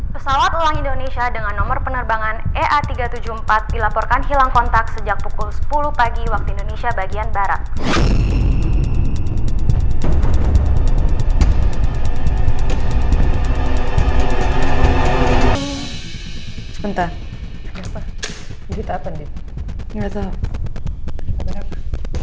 pesawat uang indonesia dengan nomor penerbangan ea tiga ratus tujuh puluh empat dilaporkan hilang kontak sejak pukul sepuluh pagi waktu indonesia sebelum terbang dari bandara sukarno hatta